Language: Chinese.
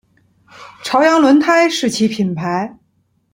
朝阳轮胎是其品牌。